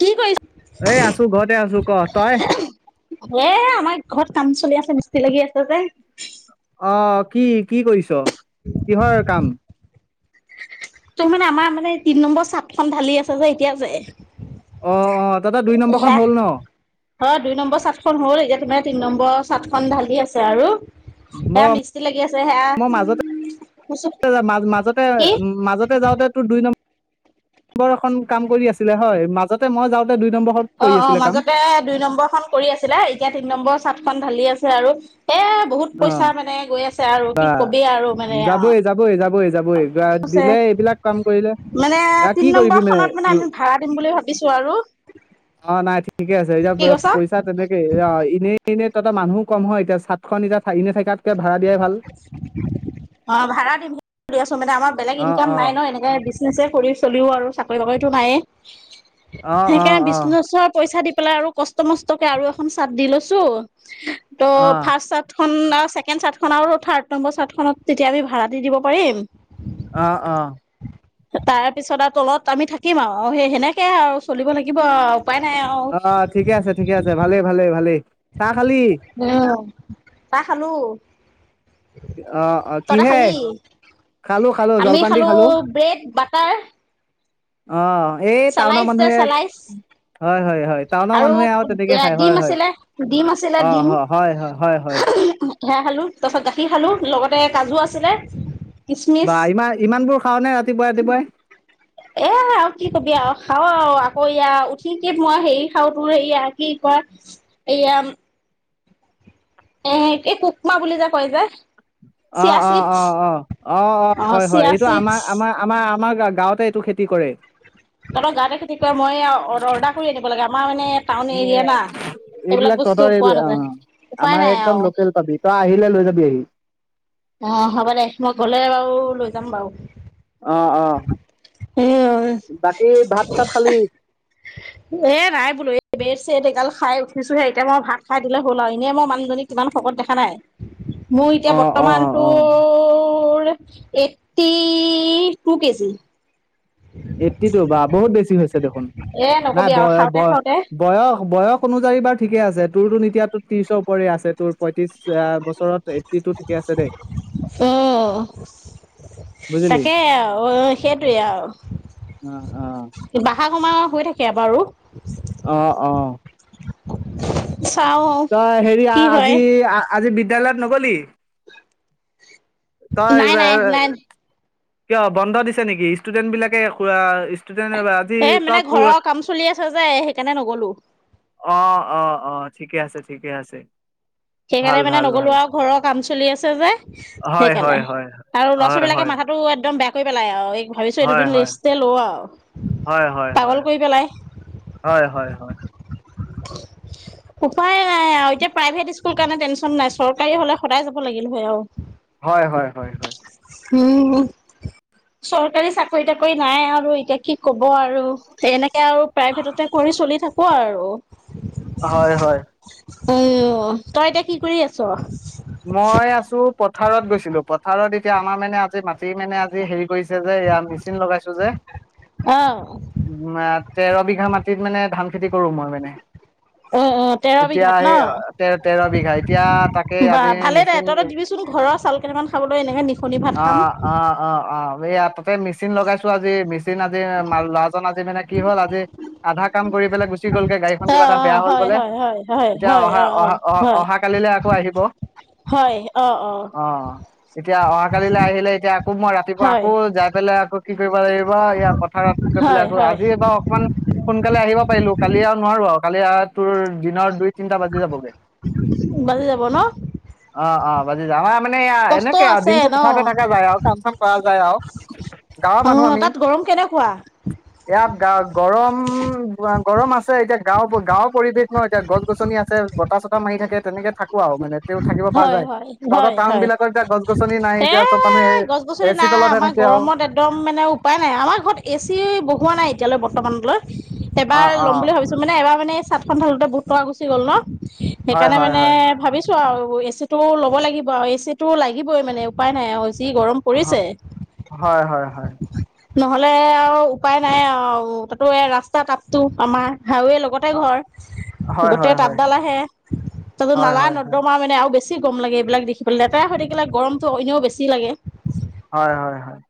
কি কৰিছ এই আছো ঘৰতে আছো, ক তই? এ আমাৰ ঘৰত কাম চলি আছে মিস্তি লাগি আছে যে। অ কি কি কৰিছ? কিহৰ কাম? তোৰ আমাৰ মানে তিনি নম্বৰ চাট ঢালি আছে যে এতিয়া যে। অ অ, তহঁতৰ দুই নম্বৰখন হ'ল ন? অ দুই নম্বৰ চাটখন হ'ল, এতিয়া তোমাৰ তিনি নম্বৰ চাটখন ঢালি আছে আৰু। হেয়া মই মিস্ত্ৰী লাগি আছে, সেয়া ম মাজতে কি মাজতে যাওঁতে তো দুই নম্বৰ বৰ এখন কাম কৰি আছিলে হয়, মাজতে মই যাওঁ অ অ মাজতে দুই নম্বৰখন কৰি আছিলা এতিয়া তিন নম্বৰ চাট খন ঢালি আছে আৰু, এই বহুত অ পইচা মানে গৈ আছে ছে আৰু বা কি কবি আৰু মানে আও। যাবই যাবই যাবই যাবই যোৱা আগদিনাই এইবিলাক কাম কৰিলে মানে এয়া কি তিনি কৰিবি নম্বৰ খনত মানে উ- আমি ভাড়া দিম বুলি ভাবিছো আৰু। অঁ, নাই ঠিকে আছে। এতিয়া কি কৈছ পই- চা তেনেকে অ‌ঁ এনেই এইনেই তহঁতৰ মানুহ কম হয় এতিয়া, চাতখন এতিয়া এনেই থকাতকে ভাড়া দিয়াই ভাল। অঁ, ভাড়াত দিম ভাৱি আছো মানে আমাৰ বেলেগ অ ইনকাম অ নাই ন। এনেকে বিজনে- নেছে কৰি চলিও আৰু, চাকৰি -বাকৰিতটো নায়ে। অ অ সেইকাৰণে অ বিজনেছৰ পইচা দি পেলাই আৰু। কষ্ট মষ্টকে আৰু এখন চাদ দি লৈছো, ত' অহ ফাৰ্ষ্ট চাদ খন লাষ্ট- ছেকেণ্ড চাদখন আৰু থাৰ্ড নম্বৰ চাৰ্টখন তেতিয়া আমি ভাড়া দি দিব পাৰিম। অঁ, অঁ। [inaudible] তাৰ পিছত আৰু তলত আমি থাকিম আৰু, সেই সেনেকে আৰু চলিব লাগিব আৰু উপায় নাই আৰু। অঁ, ঠিকে আছে, ঠিকে আছে। ভালেই- ভালেই- ভালেই, চাহ খালি? উম, চাহ খালোঁ। আহ অঁ, কিহে? খালি খালো খালো আমি জলপান দি খালো খালোঁ। ব্ৰেড বাটাৰ অঁ এই টাউনৰ চেলাইচ যে মানুহে, চেলাইচ হয় -হয়। হয় টাউনৰ আৰু মানুহে তেনেকে এয়া খাই হয় ডিম হয় আছিলে, ডিম আছিলে অহ ডিম। হ, হয় হয় হয় হয় সেইয়া খালোঁ, তাৰপাছত গাখীৰ খালোঁ লগতে কাজু আছিলে। কিচমিচ বা ইমান -ইমানবোৰ খাওনে ৰাতিপুৱাই ৰাতিপুৱাই। এ আৰু কি কবি আৰু খাওঁ আৰু আকৌ এয়া উঠিকে মই হেৰি খাওঁ তোৰ এআসি কল। এইয়া- এ এই পুকমা বুলি যে কয় যে। চিয়া অঁ- চিডছ অঁ-অঁ-অঁ, অঁ -অঁ, অ হয়- হয়। চিয়া এইটো চিডছ আমাৰ- আমাৰ- আমাৰ -আমাৰ গাঁৱতে এইটো খেতি কৰে। তহঁতৰ গাওঁতে খেতি কৰে, মই এইয়া অৰ্ডাৰ কৰি আনিব লাগে। আমাৰ মানে- টাউন এ এৰিয়া না এইবিলাক বস্তু তহঁতৰ পোৱা এই অঁ, নাযায় উপায় আমাৰ নাই আৰু একদম লোকেল পাবি। তই আহিলে লৈ যাবি আহি। অঁ, হ'ব দে, মই গলে বাৰু লৈ যাম বাৰু। অঁ -অঁ। উম। ভাত চাত খালি এ নাই বোলো। এই ব্ৰেড চেটগাল খাই উঠিছোহে, এতিয়া মই ভাত খাই দিলে হ'ল আৰু এনে মই মানুহজনীক- কিমান শকত দেখা নাই! মোৰ এতিয়া অ', অ', বৰ্তমানতটো- অ', মোৰ, eighty two KG. Eighty two বা বহুত বেছি হৈছে দেখোন। এ নাই, নকবি আৰু খাওঁতে ব-ব- খাওঁতে বয়স- বয়স অনুযায়ী বা ঠিকে আছে। তোৰতো এটিয়াতো ত্ৰিশৰ ওপৰে আছে। তোৰ- পঁয়ত্ৰিশ বছৰত এইটটি টু ঠিকেই আছে দেই। উম। তাকে। তাকে বুজিলি আৰু অঁ। সেইটোৱেই আৰু। অঁ, অঁ। বঢ়া- কমা হৈ থাকে বাৰু। অঁ, অঁ। চাওঁ আৰু। তই হেৰি, আজি- আজি বিদ্যালয়ত নগলি? তই সেই, নাই হয়, নাই হয়। নাই কিয় বন্ধ দিছে নেকি? ষ্টুডেন্ট বিলাকে কুআ ষ্টুডেন্ট ৱা এ মানে ঘৰৰ কাম চলি আছে যে এ সেইকাণে নগলো। অ, অ, অ ঠিকে আছে, ঠিকে আছে। সেইকাৰণে ভাল মানে ভাল নগলো ভাল আউ ঘৰৰ কাম চলি আছে যে হয় সেইকাৰণে হয় হয় আৰু ল'ৰা হয় ছোৱালবিলাকে হয় মাথা একদম বেয়া কই পেলাই আউ এই ভাবিছোঁ এই হয় হয় দুদিন হয় লেষ্টে লওঁ আউ হয় হয় হয় পাগল কই পেলায়। হয়, হয়, হয়। উম। উপায়ে নাই আউ এতিয়া প্ৰাইভেট স্কুল কাৰণে টেনচন নাই, চৰকাৰী হলে সদায় যাব লাগিল হয় আউ হয়, হয়, হয়, হয়। চৰকাৰী চাকৰি- তাকৰি নাই আৰু এতিয়া কি ক'ব আৰু সেই এনেকে আৰু প্ৰাইভেটতে কৰি চলি থাকো আৰু হয়, হয়। হয় অহ, তই এতিয়া কি কৰি আছ? মই আছো পথাৰত গৈছিলো পথাৰত এতিয়া আমাৰ মেনে আজি মাটি মেনে আজি হেৰি কৰিছে যে সেয়া মেচিন লগাইছো যে অ মা তেৰ বিঘা মাটিত মানে ধান খেতি কৰো মই মেনে অ অ তেৰ এতিয়া বিঘাত সেই আ ন তে-তেৰ বিঘা এতিয়া তাকে আ বা ভালে দে তহঁতৰ দিবিচোন ঘৰৰ চাউল কেইটামান খাবলৈ এনেকে নিখনি অ ভাত খাম। অ, অ, অ এইয়া তাতে মেচিন লগাইছো আজি মিচ তিন আজি আ মাল ল'ৰাজন আজি মানে কি হ'ল আজি আধা কাম কৰি পেলাই গুচি গ'লগে গাড়ীখন অ', কিবা এটা বেয়া অ', হ'ল হয়, বোলে হয়, হয়, হয়, এতিয়া হয়, অ', অহা- অ', অহা- অহা- হয়, অহা কালিলে আকো আহিব। হয়, অ অ অ', এতিয়া অহাকালিলে আহিলে এতিয়া আকৌ মই ৰাতিপুৱা হয়, আকৌ যাই পেলাই আকৌ কি কৰিব লাগিব এয়া পথাৰত গৈ হয়, পেলাই আকৌ হয়, আজি বাউ অকমান সোনকালে আহিব পাৰিলো, কালি আৰু নোৱাৰো আউ কালি আ তোৰ দিনৰ দুই-তিনটা বাজি যাবগে বাজি যাব ন? অ, অ বাজি যা আমাৰ মানে এয়া কষ্ট এনেকে আৰু আছে দিনটো ন? পথাৰতে থাকা যায় আউ কাম-চাম কৰা যায় আউ অ, তাত গৰম কেনেকুৱা? ইয়াত গা-গৰম গৱা গৰম আছে। ছে এতিয়া গাঁও প গাঁওৰ পৰিৱেশ ন এতিয়া গছ-গছনি আছে, বতাহ-চতাহ মাৰি থাকে তেনেকে থাকোঁ আউ মানে তেওঁ থাকিব পৰা হয়, যায়। হয়, তহঁতৰ হয়, টাউন হয় বিলাকত এতিয়া গছ গছনি নাই হে এতিয়া চব মানুহে এ গছ-গছনি চি নাই তলতহে আমাৰ থাকে আৰু। গৰমত এদদম মানে উপায় নাই, আমাৰ ঘৰত এ চি বহোৱা নাই এতিয়ালৈ বৰ্তমানলৈ অ এবাৰ অ ল'ম বুলি ভাবিছোঁ মানে এবাৰ মানে এ চাটখন ধালোতে বহুত টকা গুছি গ'ল ন হয় সেইকাণে হয় মানে হয় ভাবিছোঁ আৰু এ চিটো ল'ব লাগিব আৰু এ চিটো লাগিবই মানে উপায় নাই আউ যি গৰম পৰিছে। হ-হয়, হয়, হয়। নহ'লে আৰু উপায় নাই আউ তাতো এ ৰাস্তা তাপতো আমাৰ হাৱেৰ লগত তে হয় ঘৰ হয় গোটে হয় হয় তাপডাল আহে তাতো হয় হয় নালাত তোমাৰ মানে আউ বেছি গৰম লাগে এইবিলাক দেখি পেলে, লেতেৰা হৈ থাকিলে গৰমটো অ এনেও বেছি লাগে। হয়, হয়, হয়,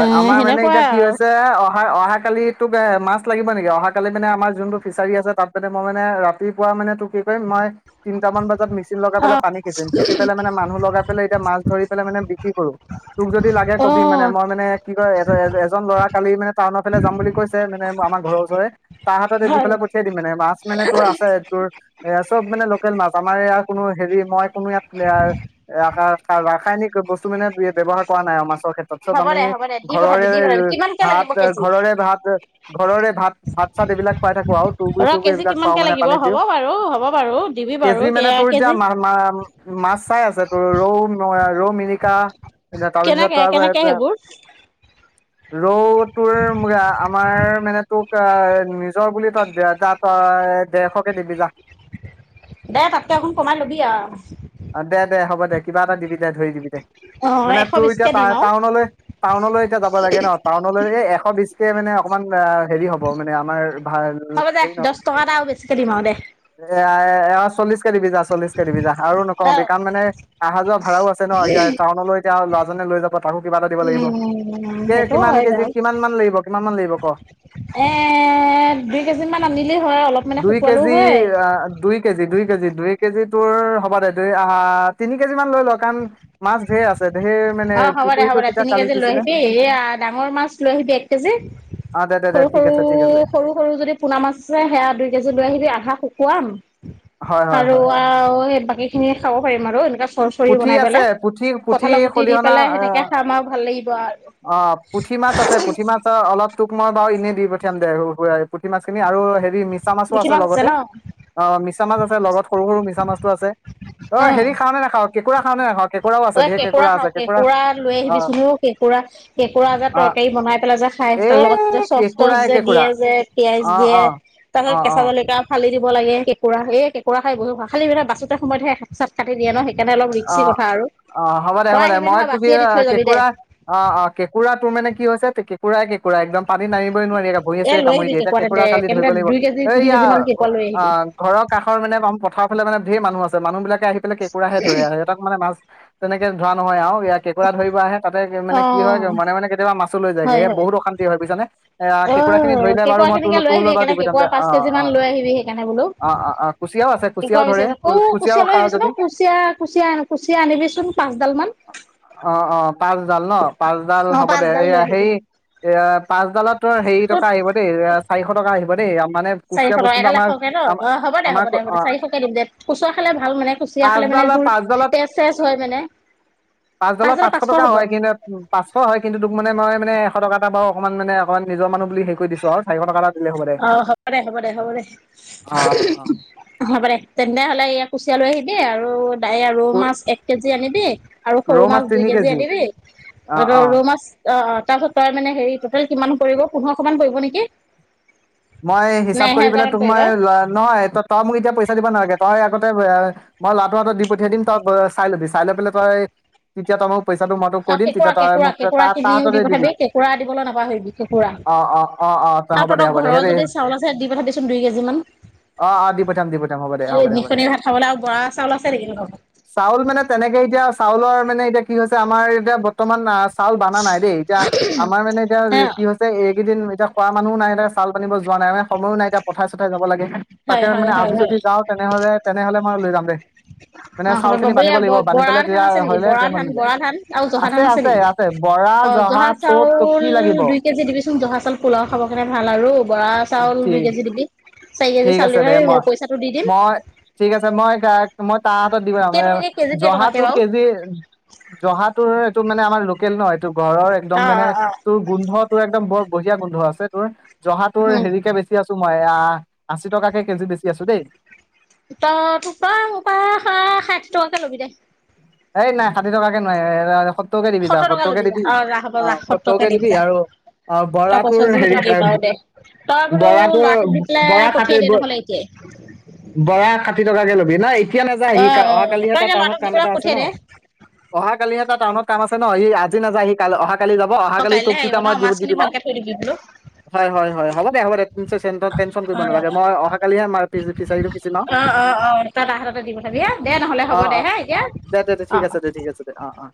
এ আমাৰ মানে সেনেকুৱাই এতিয়া কি আৰু হৈছে অহা অহাকালি তোক এ মাছ লাগিব নেকি? অহাকালি মানে আমাৰ যোনটো ফিচাৰী আছে তাত মানে মই মানে ৰাতিপুৱা মানে তোক কি কৰিম মই তিনিটা মান বজাত মেচিন লগাই অ পেলাই পানী খিচিম, খিচি পেলাই মানে মানুহ লগাই পেলাই এতিয়া মাছ ধৰি পেলাই মানে বিক্ৰী কৰোঁ। তোক যদি লাগে অ কবি, মানে মই মানে কি কয় এ এ এজন ল'ৰা কালি মানে টাউনৰ ফালে যাম বুলি কৈছে, মানে আমাৰ ঘৰৰ ওচৰে তাৰ হাততে দি হয় পেলাই পঠিয়াই দিম মানে, মাছ মানে তোৰ আছে তোৰ এই চ'ব মানে লোকেল মাছ, আমাৰ এইয়া কোনো হেৰি মই কোনো ইয়াত আহ এ ৰাসা ৰাসা, ৰাসায়নিক বস্তু মানে ব্যৱহাৰ কৰা নাই আৰু মাছ ক্ষেত্ৰত চ'ব হ'ব আমি, দে হ'ব দে দিম ঘৰৰে ভাত, ঘৰৰে ভাত ঘৰৰে ভাত, ভাত চাত এইবিলাক খুৱাই থাকোঁ খুৱাও তুৰগুৰি ৰ চুগুৰি কেজি এইবিলাক খোৱাওঁ কিমানকে মানে লাগিব পানীত হ'ব দিওঁ, বাৰু হ'ব বাৰু দিবি বাৰু কেজি মানে তোৰ এতিয়া কেজি মা মা মাছ চাই আছে তোৰ ৰ' ৰ' ৰৌ ৰৌ, মিৰিকা। এতিয়া তাৰপিছত কেনেকে তাৰপা কেনেকে এটা, সেইবোৰ ৰৌ তোৰ আমাৰ মানে, তোক আহ নিজৰ বুলি তই দে দা তই দেৰশ কে দিবি যা। দে তাতকৈ অকন কমাই লবি আৰু। অ' দে দে হ'ব দে, কিবা এটা দিবি দে, ধৰি দিবি দে। অ মানে এশ তোৰ এতিয়া বিশকে টা দিম আৰু টাউনলৈ, টাউনলৈ এতিয়া যাব লাগে ন, টাউনলৈ এ এশ বিছকে মানে অকমান আহ হেৰি হ'ব মানে, আমাৰ ভাল হ'ব দে হেৰি দহ নহব। টকা এটা আৰু বেছিকে দিম আৰু দে এয়া এ চল্লিশ কে দিবি যা, চল্লিশ কে দিবি যা, আৰু অ নকমাবি, কাৰণ মানে অহা যোৱা ভাড়াও আছে ন, এতিয়া টাউনলৈ এতিয়া ল'ৰা জনে লৈ যাব। তাকো কিবা এটা দিব লাগিব, উম, এই সেইটো কিমান হয় বাৰু। কেজি, কিমান মান লাগিব, কিমান মান লাগিব ক'। এ দুই কেজিমান আনিলেই হয়, অলপ মানে দুই শুকুৱালেও কেজি হয়। আহ দুই কেজ, দুই কেজি, দুই কেজি তোৰ হ'ব দে, দুই আহ তিনি কেজি মান লৈ ল কাৰণ মাছ ঢেৰ আছে ঢেৰ মানে অ' হ'ব দে, পুখুৰীটো হ'ব দে, তেতিয়া তিনি কালি কেজি লৈ সিচিলে আহিবি এইয়া ডাঙৰ মাছ লৈ আহিবি এক কেজি অ দে দে দে সৰু ঠিক সৰু, আছে ঠিক আছে সৰু সৰু, যদি সুনামাছ যে, সেয়া দুই কেজি লৈ আহিবি, আধা শুকুৱাম, হয় হয় আৰু হয় আৰু সেই বাকী খিনি খাব পাৰিম আৰু এনেকুৱা খৰচৰি পুঠি বনাই আছে পেলাই, পুঠি পুঠি কঁঠালত গুটি দি খলিহনা পেলাই আহ সেনেকে খাম আৰু ভাল লাগিব আৰু। অ' পুঠি মাছ আছে, পুঠি মাছ অলপ টোক মই বাৰু এনেই দি পঠিয়াম দে পুঠি মাছখিনি, আৰু হেৰি মিছা মাছো মিঠি আছে মাছ লগতে। ন' অ' মিছা মাছ আছে, লগত সৰু সৰু মিছা মাছটো আছে, অ' হেৰি খাৱনে নাখাওঁ, কেকুৰা খাৱ নে নাখাওঁ? ঐ কেকোৰা খাওঁ, কেকোৰা লৈ অ আহিবিচোন, কেকোৰা, কেকোৰা যে অ তৰকাৰী বনাই পেলাই যে খাই ত লগত এই চ'চ তচ কেঁকুৰাই যে কেঁকুৰা দিয়ে যে পিয়াজ অ দিয়ে, অ তাৰপাছত অ কেঁচা জলকীয়া ফালি দিব লাগে, কেকোৰা এই কেকোৰা খাই বহু, খালি মানে বাছোতে সময়হে চাট কাটি দিয়ে ন সেইকাৰণে অলপ অ অ ৰিস্কি কথা আৰু। অ', হ'ব দে হ'ব তই দে, আহিবি মই নহয় তোক কি বাচিয়ে দি থৈ যাবি দে কেঁকুৰা অ', অ', কেঁকোৰা তোৰ মানে কি হৈছে, কেঁকোৰাই কেঁকোৰা একদম পানীত নামিবই নোৱাৰি এ ভৰিয়ে-চৰিয়ে লৈ কামুৰি আহিবি দিয়ে, এতিয়া কেঁকুৰা কেঁকোৰা তেন্তে কালি ধৰিব তেন্তে লাগিব, দুই কেজি তিনি এইয়া কেজি মান কেঁকুৰা লৈ আহিবি আহ ঘৰ কাষৰ মানে পথাৰৰ ফালে মানে ঢেৰ মানুহ আছে, মানুহবিলাকে আহি পেলাই কেকুৰাহে তাত মানে মাছ, তেনেকে ধৰা নহয় আৰু কেঁকোৰা ধৰিব আহে, তাতে অ মানে কি হয়, মনে মনে কেতিয়াবা মাছ ও' লৈ যায়গে হয় হে হয় বহুত অশান্তি হয় বুজিছনে, আহ অ কেকুৰা খিনি ধৰিলে বাৰু কেঁকুৰা মই খিনিকে লৈ আহিবি তোলৈ বাৰু দি সেইকাৰণে পথিয়াম দে। কেঁকুৰা পাঁচ অ কেজি অ মান লৈ আহিবি সেইকাৰণে বোলো, অ অ অ কুচিয়াও আছে কি কুচিয়াও কব ধৰে বিচাৰিছো কুচিয়াও কৌ-কুচিয়া লৈ খা আহিবিচোন যদি কু কুচিয়া, কুচিয়া, কুচিয়া আনিবিচোন, পাঁচডাল মান। অ', অ', পাঁচডাল ন, পাঁচডাল অ হ'ব দে, পাঁচডাল এয়া লৈ আহিবি সেই এয়া পাঁচডালত তোৰ হেৰি টকা আহিব দেই, চাৰিশ টকা আহিব দেই মানে চাৰিশ কুচিয়া টকা বস্তুটো এডাল এশ আমাৰ কে ন' অ', হ'ব দে, আমাৰ হ'ব অ দে-দে চাৰিশকে দিম দে, কুচিয়া খালে ভাল মানে কুচিয়া খালে মানে পাঁচডালত জো পাঁচডালত তেজ-চেজ হয় মানে। পাঁচডালত পাঁচ দালত পাঁচশ টকা হ'ব। হয় কিন্তু পাঁচশ হয়, কিন্তু তোক মান মই মানে এশ টকা এটা বাৰু অকণমানানে অকণমান নিজৰ মানুহ বুলি হেৰি কৰি দিছোঁ আৰু। চাৰিশ টকা এটা দিলেই হ'ব দে। অ', হ'ব দে, হ'ব দে, হ'বদে। অ অ হ'ব দে তেন্তে হ'লে এই কুচিয়া লৈ আহিবি আৰু ৰৌ অ মাছ এক কেজি আনিবি আৰু সৰু মাছ দুই কেজি আনিবি। অ', ৰৌ মাছ অ', অ', তাৰপাছত তই মানে হেৰি টটেল কিমান পৰিব পোন্ধৰশ মান পৰিব নেকি? মই নে হিচাপ কৰি এহেজাৰ পেলাই মান তোক মই, পৰিব নহয় তই মোক এতিয়া নালাগে, তই আগতে মই ল'ৰাটোৰ হাতত দি পঠিয়াই দিম, তই চাই লবি, চাই লৈ পেলাই তই তেতিয়া তই মোক পইচাটো মই তোক কৈ আৰু দিম কেঁকুৰা তেতিয়া তই কেঁকুৰা মোক কেঁকুৰা তা-তাৰ কিনিও হাততে দি পঠাবি দিবি। কেঁকুৰা দিবলৈ নাপাহৰিবি অ', অ', অ', অ'। হ'ব দে হ'ব। দে ঘৰত হেৰি যদি চাউল আছে দি পথাবিচোন দুই কেজিমান। অঁ অঁ দি পঠিয়াম দি পঠিয়াম হ'ব দে এই হ'ব দে হ'ব দে নিসনি ভাত খাবলৈ আৰু বৰা চাউল আছে নেকি তহঁতৰ ঘৰত? চাউল মানে তেনেকে এতিয়া চাউলৰ মানে এতিয়া কি হৈছে আমাৰ এতিয়া বৰ্তমান আ, চাউল বানা নাই দেই এতিয়া আমাৰ মানে এতিয়া হে কি হৈছে এইকেইদিন এতিয়া খোৱা মানুহো নাই। চাউল বানিব যোৱা নাই মানে সময়ো নাই এতিয়া পথাৰে-চথাৰে যাব লাগে, তাকে হয় হয় মানে হয় আজি হয় যদি যাওঁ তেনেহ'লে-তেনেহ'লে মই লৈ যাম দে। মানে অ', চাউল হ'ব খিনি বানিব হ'ব লাগিব বানি বৰা পেলাই ধান তেতিয়া আছে নেকি হলে বৰা ধান বৰা ধান আৰু জহা ধান আছে নেকি? বৰা অ', জহা চব ত চাউল কি লাগিব দুই কেজি দিবি চোন জহা চাউল পোলাও খাব কাৰণে ভাল আৰু বৰা চাউল দুই ঠিক কেজি দিবি। চাৰি কেজি ঠিক চাউল আছে দে দিবি মই পইচাটো দি দিম। মই ঠিক আছে মই মই তাৰ হাতত দি পথাম এ কেইটকাকে কেজি কেইটকাকে জহাটো বাৰু কেজি জহাটোৰ এইটো মানে আমাৰ লোকেল ন' এইটো ঘৰৰ একদম অ মানে অ অ তোৰ গোন্ধ তোৰ একদম বৰ বঢ়িয়া গোন্ধ আছে। তোৰ জহা তোৰ উম হেৰিকে বেচি আছোঁ, মই আ আশী টকাকৈ কেজি বেছি আছোঁ দেই। তই তোৰপৰা মোৰ পৰা ষাঠি টকাকে ল'বি দে। এই নাই ষাঠি টকাকে নোৱাৰি সত্তৰকে দিবি যা সত্তৰ টকা সত্তৰকে ল'বি যা দিবি অ', যা হ'ব যা সত্তৰ কে সত্তৰকে দিম দিবি যা। আৰু অ তই বৰাটোৰ কৈছ যিহেতু দিম হেৰি আৰু দে। তই বোলো বৰাটো ল'ৰাটোক দি বৰা পেলাই ষাঠি পঠিয়াই দে নহ'লে এতিয়াই। [inaudible] বৰা ষাঠি টকাকে ল'বি। নাই এতিয়া নাযায় অ সি অ অ অহা কালিহে তই তাৰ এতিয়া ল'ৰাটোক টাউনত দি কাম পেলাই এটা আছে পঠিয়াই দে ন'। অহা কালিহে তাৰ টাউনত কাম আছে ন'। সি আজি নাযায় সি অহা কালি যাব, অ অহাকালি কাইলৈহে তোক আহিব তেতিয়া ন মই দি মাছখিনি দিম ভালকে আৰু। থৈ দিবি বোলো হয়, হয়, হয় হ'ব দে হ'ব দে তিনিশ চেণ্টত টেনচন কৰিব অ নালাগে। মই অহা কালিহে ফিচাৰটো সিচিম আৰু। ভাবিয়া দে নহ'লে অ হ'ব দে অ হা এতিয়া। দে দে অ ঠিক আছে দে ঠিক আছে দে অ', অ'।